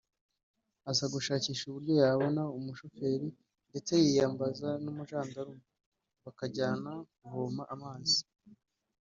aza gushakisha uburyo yabona umushoferi ndetse yiyambaza n’umujandarume bakajyana kuvoma amazi